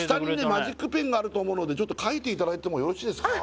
マジックペンがあると思うのでちょっと書いていただいてもよろしいですか？